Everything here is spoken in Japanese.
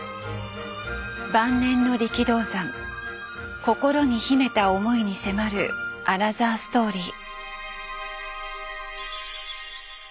晩年の力道山心に秘めた思いに迫るアナザーストーリー。